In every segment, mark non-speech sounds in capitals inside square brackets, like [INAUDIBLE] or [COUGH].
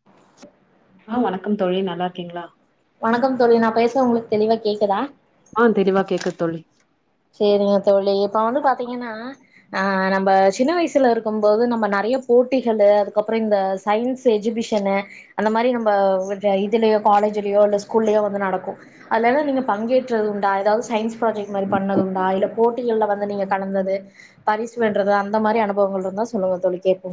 [INAUDIBLE] ஆ வணக்கம் தோழி நல்லா இருக்கீங்களா வணக்கம் தோழி நா பேசுறது உங்களுக்கு தெளிவா கேக்குதா ஆ தெளிவா கேக்குது தோழி சரிங்க தோழி இப்ப வந்து பாத்தீங்கன்னா ஆ நம்ப சின்ன வயசுல இருக்கும் போது நம்ம நிறைய போட்டிகள் அதுக்கப்புறம் இந்த [UNINTELLIGIBLE] எக்ஸிபிஷன்னு அந்த மாரி நம்ம இதுலயோ காலேஜ்லயோ இல்ல ஸ்கூல்லயோ வந்து நடக்கு அதலா நீங்க பங்கேற்றது உண்டா ஏதாது சயின்ஸ் ப்ராஜெக்ட் மாரி பண்ணது உண்டா இல்ல போட்டிகள்ல வந்து நீங்க கலந்தது பரிசு வென்றது அந்த மாரி அனுபவங்கள் இருந்தா சொல்லுங்க தோழி கேட்போ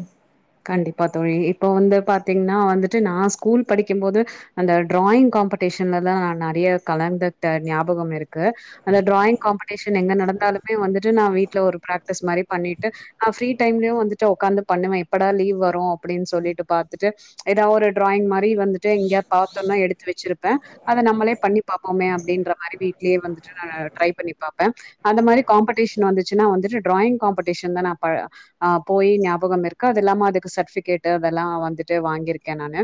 கண்டிப்பா தோழி இப்போ வந்து பாத்தீங்கன்னா வந்துட்டு நா ஸ்கூல் படிக்கும் போது அந்த டிராயிங் காம்படிஷன்ல நா நெறைய கலந்தட்ட ஞாபகம் இருக்கு க்கு அந்த டிராயிங் காம்படிஷன் எங்க நடந்தாலுமே வந்து ட்டு நா வீட்ல ஒரு பிராக்டிஸ் மாரி பண்ணிட்டு நா ஃபிரீ டைம்ல வந்துட்டு உக்காந்து பண்ணுவே எப்படா லீவ் வரு அப்டின்னு சொல்லிட்டு பாத்துட்டு ஏதா ஒரு டிராயிங் மாரி வந்துட்டு எங்கயா பாத்தோனா எடுத்து வச்சிருப்பே அத நம்மளே பண்ணி பாப்போமே அப்டின்ற மாரி வீட்லே வந்துட்டு நா ட்ரை பண்ணி பாப்பே அந்த மாரி காம்படிஷன் வந்துச்சுன்னா வந்துட்டு டிராயிங் காம்படிஷன் தா நா அ போயி ஞாபகம் இருக் க்கு அது இல்லாம அதுக்கு சர்டிபிகேட்டு் அதெல்லா வந்துட்டு வாங்கியிருக்கே நானு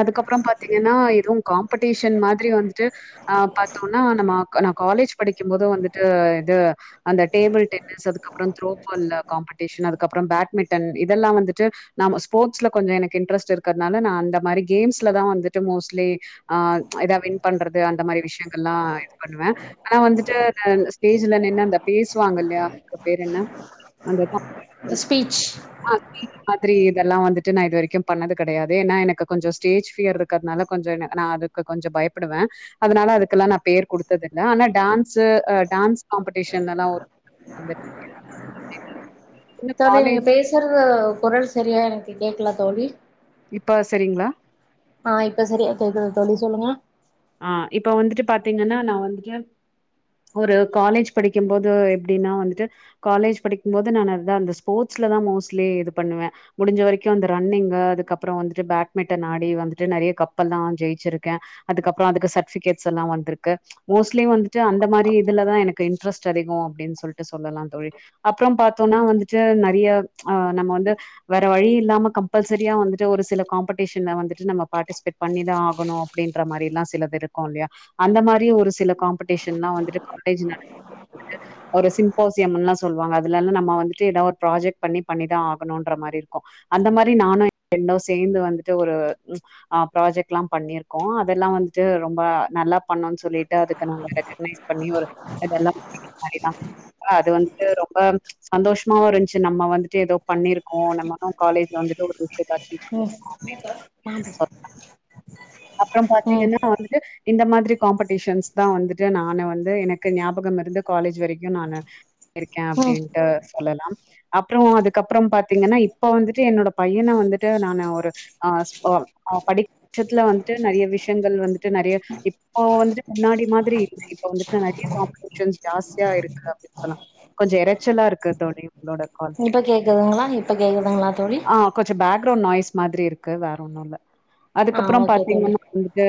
அதுக்கப்பறம் பாத்தீங்கன்னா எதுவு காம்படிஷன் மாதிரி வந்துட்டு அ பாத்தோனா நம்ம நா காலேஜ் படிக்கும் போது வந்துட்டு இது அந்த டேபிள் டென்னிஸ் அதுக்கப்பரோ த்ரோபால் ல காம்படிஷன் அதுக்கப்ரோ பேட்மிண்டன் இதெல்லா வந்துட்டு நம்ம ஸ்போர்ட்ஸ்ல கொஞ்சம் எனக்கு இட்ரெஸ்ட் இருக்கிறதுனால நா அந்த மாரி கேம்ஸ்ல தான் வந்துட்டு மோஸ்ட்லி ஆஹ் இதா வின் பண்றது அந்த மாரி விஷயங்கள் எல்லாம் இது பண்ணுவ ஆனா வந்துட்டு அந்த ஸ்டேஜ்ல நின்னு அந்த பேசுவாங்கல்லயா அதுக்கு பேர் என்ன அந்த ஸ்பீச் அந்த மாரி இதெல்லாம் வந்துட்டு நா இது வரைக்கும் பண்ணது கிடையாது ஏன்னா எனக்கு கொஞ்சம் ஸ்டேஜ் பியர் இரு இருக்கற்துனால கொஞ்சொ நா அதுக்கு கொஞ்சொ பயப்படுவே அதனால அதுக்கெல்லா நா பேர் கொடுத்தது இல்ல ஆனா டான்ஸ் டான்ஸ் அ காம்படிஷன்லல்லா ஒ வந்துட்டு இருக்கே [UNINTELLIGIBLE] தோழி நீங்க பேசுறது குரல் சரியா எனக்கு கேக்கல தோழி இப்ப சரிங்களா ஆ இப்ப சரியா கேக்குது தோழி சொல்லுங்க ஆ இப்ப வந்துட்டு பாத்தீங்கன்னா நா வந்துட்டு ஒரு காலேஜ் படிக்கும் போது எப்டின்னா வந்துட்டு காலேஜ் படிக்கும் போது நா அதான் அந்த ஸ்போர்டஸ்லதா மோஸ்ட்லி இது பண்ணுவே முடிஞ்ச வரைக்கு அந்த ரன்னிங்கு அதுக்கப்புரோ வந்துட்டு பேட்மிண்டன் ஆடி வந்துட்டு நெறைய கப்பெல்லா ஜெயிச்சிருக்கே அதுக்கப்புரோ அதுக்கு சர்டிபிகேட்ஸ் எல்லா வந்துருக்கு மோஸ்ட்லி வந்துட்டு அந் இந்த மாதிரி இதுல தா எனக்கு இன்ட்ரெஸ்ட் அதிகோ அப்டின் சொல்லிட்டு சொல்லலா தோழி அப்புறம் பாத்தோம்னா வந்துட்டு நெறைய ஆ நம்ம வந்து வேற வழி இல்லாம கம்பல்சரியா வந்துட்டு ஒரு சில காம்படிஷன்ல வந்துட்டு நம்ம பார்ட்டிசிபேட் பண்ணிதா ஆகணும் அப்டின்ற மாரில்லா சிலது இருக்கு இல்லையா அந்த மாரி ஒரு சில காம்படிஷ் எல்லா வந்துட்டு காலேஜ் [UNINTELLIGIBLE] ஒரு சிம்போசியமுனு சொல்லுவாங்க அதுல நம்ம வந்துட்டு ஏதாவ ஒரு ப்ராஜெக்ட் பண்ணி பண்ணிதா ஆகணும்ன்ற மாரி இருக்கு அந்த மாரி நானு எ ஃபிரண்டு சேந்து வந்துட்டு ஒரு அ ப்ராஜெக்ட்ல்லா பண்ணிருக்கோ அதெல்லா வந்துட்டு ரொம்ப நல்லா பண்ணோ சொல்லிட்டு அதுக்கு நாங்க ரெக னைஷ் பண்ணிட்டு ஒரு [INAUDIBLE] ல்லா [INAUDIBLE] அது வந்து ரொம்ப சந்தோஷமாவு இருந்ச்சு நம்ம வந்துட்டு ஏதோ பண்ணிருக்கோ நம்மளு காலேஜ்ல வந்துட்டு ஒரு விஷயத்த அச்சீவ் ம் பண்ணிருக்கோ [UNINTELLIGIBLE] அப்ரம் ம் பாத்தீங்கன்னா வந்துட்டு இந்த மாதிரி காம்படிஷன் தா வந்து ட்டு நானு வந்து எனக்கு ஞாபகம் இருந்து காலேஜ் வரைக்கு நானு இருக்கே ம் அப்டின்ட்டு சொல்லலா அப்றொ அதுக்கப்றொ பாத்தீங்கனா இப்ப வந்துட்டு என்னோட பையன வந்துட்டு நானு ஒரு ஆ ஸ்பேம் அவ படிப் பட்சத்துல வந்துட்டு நறிய விஷயங்கள் வந்துட்டு நறிய இப்போ வந்துட்டு முன்னாடி மாதிரி இப்ப வந்துட்டு நறிய காம்படிஷன்ஸ் ஜாஸ்தியா இருக்கு அப்டின் சொல்லா கொஞ்ச எரெச்சலாருக்கு தோழி உங்களோட கால். இப்ப கேக்குதுங்களா இப்ப கேக்குதுங்களா தோழி கொஞ்சொ பேக்ரவுண்ட் நாய்ஸ் மாதிரி இருக்கு வேற ஒன்னு இல்ல ஆ அதுக்கப்றொ ஓகே தோழி பாத்தீங்கனா வந்துட்டு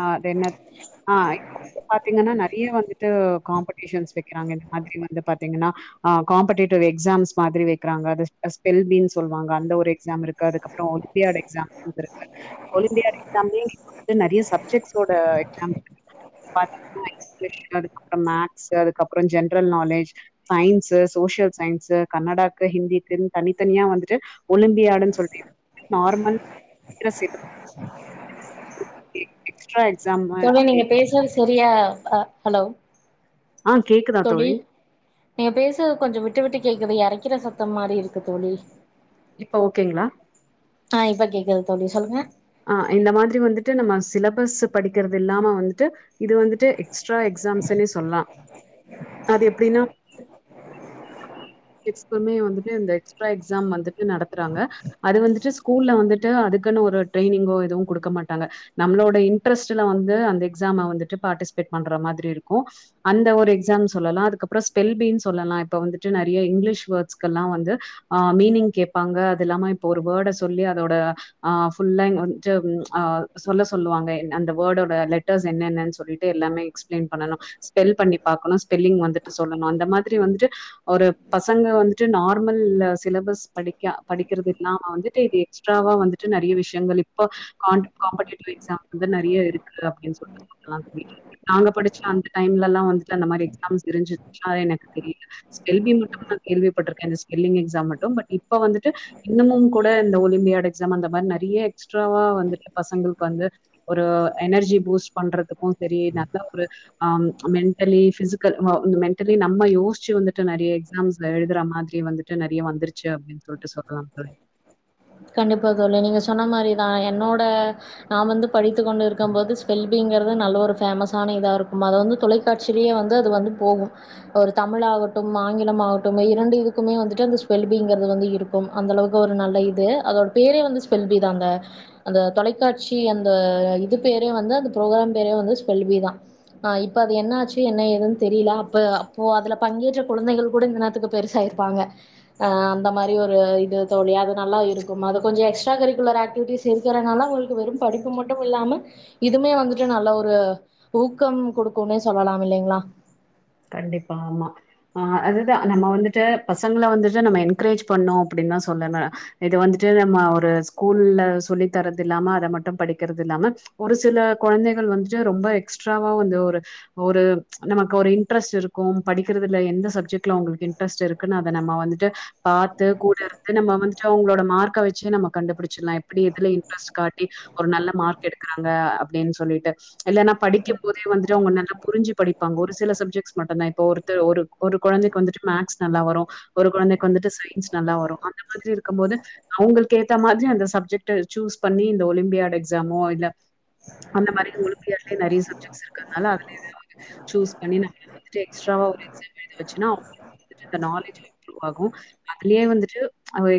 ஆ அது என்னது ஆ இப்ப பாத்தீங்கனா நறிய வந்துட்டு காம்படிஷன்ஸ் வெக்கிறாங்க இந்த மாதிரி வந்து பாத்தீங்கனா ஆ காம்படேட்டிவ் எக்ஸாம்ஸ் மாதிரி வெக்கிறாங்க அது ஸ்பெல் பீ னு சொல்வாங்க அந்த ஒரு எக்ஸாம் இருக்கு அதுக்கப்றொ லியர்ட் எக்ஸாம் இப்பர் ஒலிம்பியா எக்ஸாம்லேயே வந்து நெறயா சப்ஜெக்ட்ஸ்சோட எக்ஸாம் [INAUDIBLE] அதுக்கப்றொ மேக்ஸ் அதுக்கப்றொ general knowledge science social science கன்னடாக்கு ஹிந்திக்குன் தனித்தனியா வந்துட்டு ஒலிம்பியாடுன் சொல்ட்டு நார்மல் [INAUDIBLE] எக்ஸ்ட்ரா எக்ஸாம் தோழி அப்டி நீங்க பேசறது சரியா அ ஹலோ ஆ கேக்குதா தோழி நீங்க பேசுறது கொஞ்சொ விட்டு விட்டு கேக்குது எரைக்கிற சத்தொ மாரி இருக்கு தோழி இப்ப ஓ கே ங்களா ஆ இப்ப கேக்குது தோழி சொல்லுங்க ஆ இந்த மாதிரி வந்துட்டு நம்ம சிலபஸ் படிக்கறது இல்லாம வந்துட்டு இது வந்துட்டு எக்ஸ்ட்ரா எக்ஸாம்ஸுன்னே சொல்லலா அது எப்டின்னா கிட்ஸ்க்குமே வந்துட்டு இந்த எக்ஸ்ட்ரா எக்ஸாம் வந்துட்டு நடத்தறாங்க அது வந்துட்டு ஸ்கூல்ல வந்துட்டு அதுக்குன் ஒரு ரெயனிங்கோ எதுவு குடுக்க மாட்டாங்க நம்மளோட இன்ட்ரெஸ்ட்ல வந்து அந்த எக்ஸாம வந்துட்டு பார்ட்டிசிபேட் பண்ற மாதிரி இருக்கு அந்த ஒரு எக்ஸாம் சொல்லலா அதுக்கப்றொ ஸ்பெல் பீன் சொல்லலா இப்ப வந்துட்டு ந இய இங்கிலிஷ் வேர்ட்ஸ்க்கெல்லா வந்து ஆ மீனிங் கேப்பாங்க அது இல்லாம இப்ப ஒரு வேர்ட சொல்லி அதோட ஆ ஃபுல்லா இங் வந்துட்டு ஆ சொல்ல சொல்லுவாங்க என் அந்த வேர்டோட லெட்டர்ஸ் என்னென்னன் சொல்லிட்டு எல்லாமே எக்ஸ்பிளைன் பண்ணணு ஸ்பெல் பண்ணி பாக்கணு ஸ்பெல்லி்ங் வந்துட்டு சொல்லணு அந்த மாதிரி வந்துட்டு ஒரு பசங்க வந்துட்டு நார்மல் சிலபஸ் படிக்க படிக்கறதில்லாம வந்துட்டு இது ட்ராவா வந்துட்டு நறிய விஷ்யங்கள் இப்ப கான் காம்பிட்டேட்டிவ் எக்ஸாம் வந்து நறிய இருக்கு அப்டின் சொல்ல நா தூக் வி நாங்க படிச்ச அந்த டைம்லலா வந்துட்டு அந்த மாரி எக்ஸாம்ஸ் இருந்துச்சினா எனக்கு தெரியல ஸ்பல் பீ மட்டு நா கேள்விப்பட்ருக்கே இந்த ஸ்பெல்லிங் எக்ஸாம் மட்டு பட் இப்பொ வந்துட்டு இன்னமு கூட இந்த ஒலிம்பியாட் எக்ஸாம் அந்த மாரி நெறைய எக்ஸ்ட்ராவா வந்துட்டு பசங்களுக்கு வந்து ஒரு எனர்ஜி பூஸ்ட் பண்றதுக்கு சரி நல்ல ஒரு அ ம் மென்டலி ஃபிசிக்கல் ஆ மென்டலி நம்ம யோஸ்ச்சு வந்து ட்டு நறிய எக்ஸாம்ஸ்ல எழுதுற மாதிரி வந்துட்டு நறிய வந்துருச்சு அப்டின் சொல்ட்டு சொல்லலாம் தோழி கண்டிப்பா தோழி நீங்க சொன்ன மாரிதா என்னோட நா வந்து படித்துக் கொண்டு இருக்கும் போது ஸ்பெல்பீங்கறது நல்ல ஒரு ஃபேமஸான இதா இருக்கும் அத வந்து தொலை காட்சிலயே வந்து அது வந்து போகு ஒரு தமிழ் ஆகட்டும் ஆங்கிலம் ஆகட்டும் இரண்டு இதுக்குமே வந்துட்டு அந்த ஸ்பெல்பீங்கறது வந்து இருக் அந்தளவுக்கு ஒரு நல்ல இது அதோட பேரே வந்து ஸ்பெல் பீ தாங்க அந்த தொலைக்காட்சி அந்த இது பேரே வந்து அந்த ப்ரோக்ராம் பேரே வந்து ஸ்பெல் பீ தா ஆ இப்ப அது என்னாச்சு என்ன ஏதுன் தெரில அப்ப அப்போ அதுல பங்கேற்ற குழந்தைகள் கூட இந்த நேரத்துக்கு பெருசாயிருப்பாங்க ஆ அந்த மாரி ஒரு இது தோழி அது நல்லா இருக் குமா அத கொஞ்சொ எக்ஸ்ட்ரா கரிக்குலர் ஆக்டிவிட்டிஸ் இருக்கிறனால ஒங்களுக்கு வெறு படிப்பு மட்டு இல்லாம இதுமே வந்துட்டு நல்ல ஒரு ஊக்கம் கொடுக்குனே சொல்லலாம் இல்லைங்களா கண்டிப்பா ஆமா ஆ அதுதா நம்ம வந்துட்டு பசங்கள வந்துட்டு நம்ம என்கரேஜ் பண்ணோ அப்டின்னா சொல்லன இது வந்துட்டு நம்ம ஒரு ஸ்கூல்ல சொல்லி தரதில்லாம அத மட்டு படிக்கிறதில்லாம ஒரு சில கொழந்தைகள் வந்துட்டு ரொம்ப எக்ஸ்ட்ராவா வந்து ஒரு ஒரு நமக்கொரு இன் ட்ரெஸ்ட் இருக்கு படிக்கிறதுல எந்த சப்ஜெக்ட்ல அவுங்களுக்கு இன் ட்ரெஸ்ட் இருக்குன் அத நம்ம வந்துட்டு பாத்து கூடருந்து நம்ம வந்துட்டு அவுங்களோட மார்க்க வச்சு நம்ம கண்டுபுடிச்சிட்லா எப்டி இதுல இன்ட்ரெஸ்ட் காட்டி ஒரு நல்ல மார்க் எடுக்குறாங்க அப்டின் சொல்லிட்டு இல்லன்னா படிக்கும் போதே வந்துட்டு அவுங்க நல்லா புரிஞ்சு படிப்பாங்க ஒரு சில சப்ஜெக்ட் ஸ் மட்டுந்தா இப்போ ஒருத்த ஒரு ஒரு கொழந்தைக்கு வந்துட்டு மேக்ஸ் நல்லா வரு ஒரு கொழந்தைக்கு வந்துட்டு சயின்ஸ் நல்லா வரு அந்த மாத்ரி இருக்கும் போது அவுங்களுக்கு ஏத்த மாத்ரி அந்த சப்ஜெக்ட்ட சூஸ் பண்ணி இந்த ஒலிம்பியாட் எக்ஸாமோ இல்ல அந்த மாரி ஒலிம்பியாட்ல நறைய சப்ஜெக்ட்ஸ் இருக்கனால அதுல எதாவ்து சூஸ் பண்ணி நம்ம வந்துட்டு எக்ஸ்ட்ராவா ஒரு எக்ஸாம் எழுத வச்சுனா அவுங்களுக்கு வந்துட்டு இந்த நாலேஜ் இம்புரூவ் ஆகு அதுலே வந்துட்டு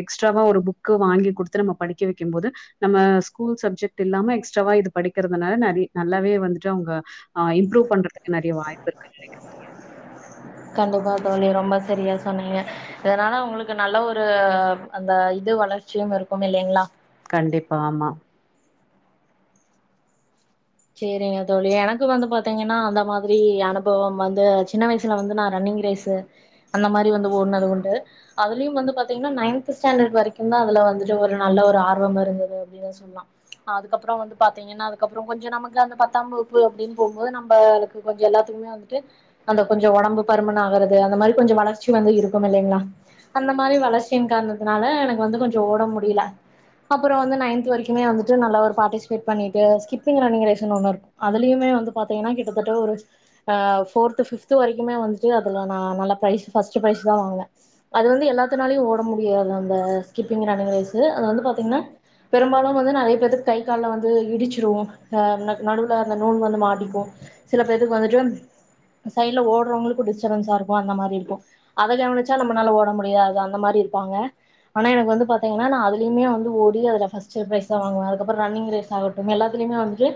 எக்ஸ்ட்ராவா ஒரு புக்கு வாங்கி குடுத்து நம்ம படிக்க வெக்கும்போது நம்ம ஸ்கூல் சப்ஜெக்ட் இல்லாம எக்ஸ்ட்ராவா இது படிக்குறதுனால நறி நல்லாவே வந்துட்டு அவுங்க ஆ இம்ப்ரூவ் பண்றதுக்கு நறைய வாய்ப்பிருக்கு கண்டிப்பா தோழி ரொம்ப சரியா சொன்னீங்க இதனால உங்ளுக்கு நல்ல ஒரு அந்த இது வளர்ச்சியும் இருக்கும் இல்லிங்ளா கண்டிப்பா ஆமா சேரிங்க தோழி எனக்கு வந்து பாத்தீங்கனா அந்த மாதிரி அனுபவம் வந்து சின்ன வய் சுல வந்து நா ரன்னிங் ரேஸ்ஸு அந்த மாரி வந்து ஓட்னது உண்டு அதுலயும் வந்து பாத்தீங்கனா நைன்த்து ஸ்டாண்டர்ட் வரைக்கு தா அதுல வந்துட்டு ஒரு நல்ல ஒரு ஆர்வம் இருந்தது அப்டினு சொல்லா ஆ அதுக்கப்றோ வந்து பாத்தீங்கனா அதுக்கப்றோ கொஞ்சோ நம்ம ளா அந்த பத்தாம் வகுப்பு அப்டின் போம்போது நம்ப அதுக்கு கொஞ்சோ எல்லாத்துக்குமே வந்துட்டு அந்த கொஞ்சோ ஒடம்பு பருமன் ஆகுறது அந்த மாரி கொஞ்சோ வளர்ச்சி வந்து இருக்குமில்லைங்ளா அந்த மாரி வளர்ச்சியின் கார்ணத்துனால எனக்கு வந்து கொஞ்சோ ஓட முடில அப்றோ வந்து நைன்த்து வரைக்குமே வந்துட்டு நல்ல ஒரு பார்ட்டிஸ்பேட் பண்ணிட்டு ஸ்கிப்பிங் ரன்னிங் ரேஸ் [UNINTELLIGIBLE] அதுலியுமே வந்து பாத்தீங்கனா கிட்டத்தட்ட ஒரு ஆ ஃபோர்த்து ஃபிஃப்த்து வரைக்குமே வந்துட்டு அதுல நா நல்லா ப்ரைஸ் ஃபர்ஸ்ட் ப்ரைஸ் தா வாங்குவே அது வந்து எல்லாத்துனாலயு ஓட முடியாது அந்த ஸ்கிப்பிங்கு ரன்னிங் ரேஸு அது வந்து பாத்தீங்கனா பெரும்பாலும் வந்து நறைய பேத்துக்கு கை கால்ல வந்து இடிச்சிரு ஆ நடுவுல அந்த நூல் வந்து மாட்டிக்கு சில பேத்துக்கு வந்துட்டு சைட்ல ஓட்றோங்களுக்கு டிஸ்டபன்ஸாருக்கு அந்த மாரி இருக்கு அத கவனிச்சா நம்மனால ஓட முடியாது அந்த மாரி இருப்பாங்க ஆனா எனக்கு வந்து பாத்தீங்னா நா அதுலியுமே வந்து ஓடி அதுல ஃபர்ஸ்ட் ப்ரைஸ் தா வாங்குவே அதுக்கப்றோ ரன்னிங் ரேஸ் ஆகட்டும் எல்லாத்துலியுமே வந்துட்டு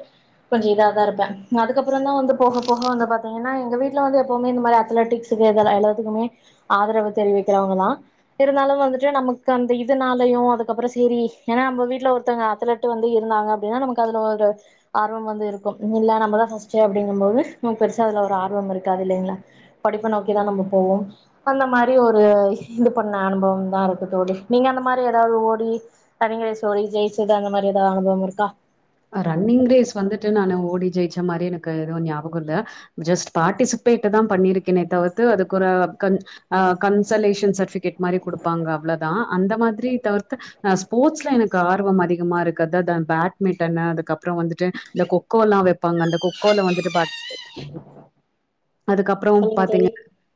கொஞ்சோ இத தாருப்பே அதுக்கப்றோ தா வந்து போக போக வந்து பாத்தீங்கனா எங்க வீட்ல வந்து எப்போமே இந்த மாரி அத்லட்டிக்ஸ் [UNINTELLIGIBLE] எல்லாத்துக்குமே ஆதரவு தெரிவிக்கிறவங்களா இருந்தாலும் வந்துட்டு நமக்கு அந்த இதுனாலையு அது க்கப்றோ சேரி ஏனா நம்ப வீட்ல ஒருத்தோங்க அத்லட்டு வந்து இருந்தாங்க அப்டினா நமக்கு அதுல ஒரு ஆர்வம் வந்து இருக்கும் இல்ல நம்மதா ஃபர்ஸ்ட்டு அப்டிங்கம் போது நம் பெருசா அதுல ஒரு ஆர்வம் இருக்காது இல்லைங்ளா படிப்ப நோக்கி தா நம்ம போவோம் அந்த மாரி ஒரு இது பண்ண அனுபவம் தா இருக்கு தோழி நீங்க அந்த மாரி எதாவ்து ஓடி ரன்னிங் ரேஸ் ஓடி ஜெயிச்சது அந்த மாரி எதா அனுபவம் இருக்கா ஆ ரன்னிங் ரேஸ் வந்துட்டு நானு ஓடி ஜெயிச்ச மாரி எனக்கு எது ஞாபகோல்ல ஜஸ்ட் பார்ட்டிசிபேட்ட தா பண்ணிருக்கேனே தவிர்த்து அதுக்கு ஒரு கன் அ கன்சலேஷன் சர்ட்டிஃபிகேட் மாரி குடுப்பாங்க அவ்ளோதா அந்த மாதிரி தவிர்த்து நா ஸ்போர்ட்ஸ்ல எனக்கு ஆர்வம் அதி அதிகமா இருக்கு அதா பேட்மிண்டனு அதுக்கப்றோ வந்துட்டு இந்த கொக்கோ எல்லாம் வைப்பாங்க அந்த கொக்கோல வந்துட்டு பா அதுக்கப்றோ சொல்லுங்க பாத்தீங்க தோழி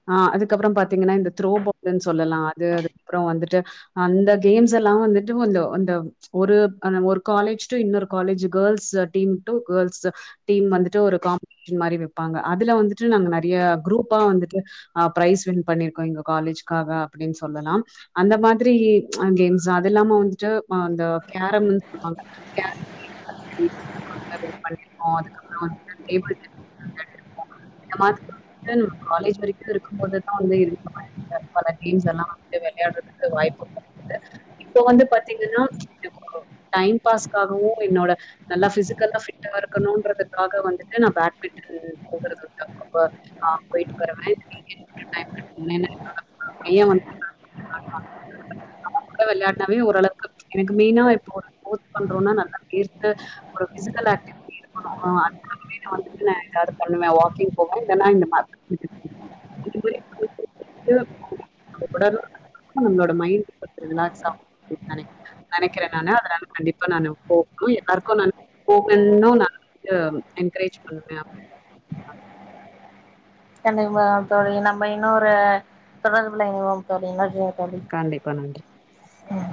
ஆ அதுக்கப்புறோ பாத்தீங்கனா இந்த த்ரோபாலுனு சொல்லலாம் அது அதுக்கப்றோ வந்துட்டு அந்த கேம்ஸ் எல்லாம் வந்துட்டு அந்த அந்த ஒரு ஆனா ஒரு காலேஜ் டூ இன்னொரு college girls team to girls team வந்துட்டு ஒரு காம்படிஷன் மாரி வைப்பாங்க அதுல வந்துட்டு நாங்க நறையா குரூப்பா வந்துட்டு ஆ பிரைஸ் வின் பண்ணிருக்கோம் எங்க காலேஜ்காக அப்டினு சொல்லலாம் அந்த மாதிரி கேம்ஸ் அது இல்லாம வந்துட்டு அந்த கேம்ப் [UNINTELLIGIBLE] சொல்லுவாங்க [UNINTELLIGIBLE] [UNINTELLIGIBLE] பண்ணிருக்கோம் அதுக்கப்றோ [UNINTELLIGIBLE] காலேஜ் வரைக்கும் இருக்கும்போது நா வந்து இருக்கு பல டீம்ஸ்லா விளையாடுறதுக்கு வாய்ப்பும் இருக்குது இப்போ வந்து பாத்தீங்கன்னா டைம் பாஸ்காகவும் என்னோட நல்லா பிசிக்கல்லா ஃபிட்டா இருக்கணும்ன்றதுக்காக வந்துட்டு நான் பேட்மிட்டன் போகுறது உண் அப்பப்ப ஆ போயிட்டு வருவேன் [UNINTELLIGIBLE] அவன் கூட விளையானாவே ஓரளவுக்கு எனக்கு மெயினா ஒர்தர் ஓத் பண்றோம்னா நல்லா கேட்டு ஒரு பிசிக்கல் ஆக்டிவி இருக்கணும் அதுக்காகவே நான் வந்துட்டு நான் ஏதாது பண்ணுவேன் வாக்கிங் போவேன் இல்லனா இந்த மார்கட் [UNINTELLIGIBLE] அ நம்மோட மைண்ட்ப்ப ரிலாக்ஸ் ஆக நினைக்கிறேன் அனால அதனால கண்டிப்பா நானு போகணும் எல்லாருக்கும் ந போகும் ந து என்கரேஜ் பண்ணுவே கண்டிப்பா தோழி நம்ம இன்னொரு தொடர்புல இனைவோம் தோழி நன்றிங்க தோழி கண்டிப்பா நன்றி ம்